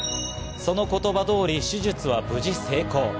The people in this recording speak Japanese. その言葉通り手術は無事成功。